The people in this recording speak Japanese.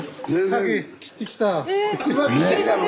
今切ってきたの？